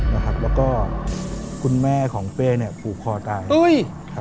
แล้วก็คุณแม่ของเป้เนี่ยผูกคอตาย